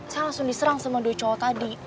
saya langsung diserang sama dua cowok tadi